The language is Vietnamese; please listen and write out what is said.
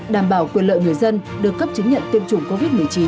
đảm bảo quyền lợi người dân được cấp chứng nhận tiêm chủng covid một mươi chín